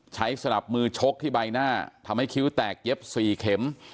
สลับมือชกที่ใบหน้าทำให้คิ้วแตกเย็บ๔เข็ม